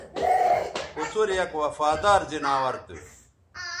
کوڅر یک وفادار زناور تھو